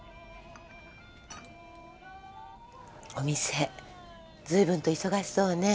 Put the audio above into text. お店随分と忙しそうね。